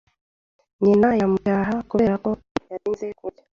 Nyina yamucyaha kubera ko yatinze kurya.